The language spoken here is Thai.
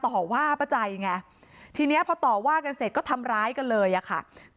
แต่จังหวะที่ผ่านหน้าบ้านของผู้หญิงคู่กรณีเห็นว่ามีรถจอดขวางทางจนรถผ่านเข้าออกลำบาก